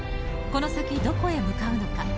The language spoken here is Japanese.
この先、どこへ向かうのか？